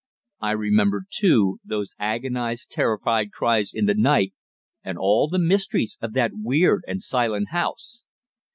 I remembered, too, those agonized, terrified cries in the night and all the mysteries of that weird and silent house!